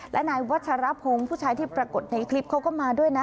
และนายวัชรพงศ์ผู้ชายที่ปรากฏในคลิปเขาก็มาด้วยนะ